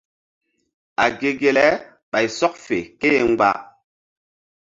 A ge ge le ɓay sɔk fe ké e mgba.